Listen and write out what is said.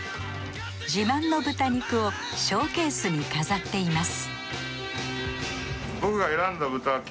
自慢の豚肉をショーケースに飾っています